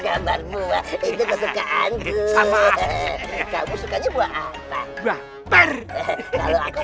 kabar buah itu kesukaan sama kamu sukanya buah buah per per